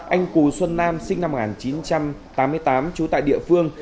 anh cù xuân nam sinh năm một nghìn chín trăm tám mươi tám trú tại địa phương